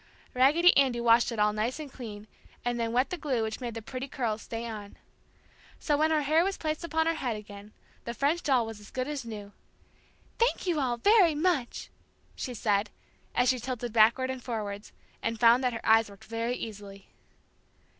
Raggedy Andy washed it all nice and clean, and then wet the glue which made the pretty curls stay on. So when her hair was placed upon her head again, the French doll was as good as new. "Thank you all very much!" she said, as she tilted backwards and forwards, and found that her eyes worked very easily.